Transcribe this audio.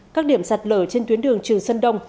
các điểm sạt lở trên tuyến đường trường sơn đông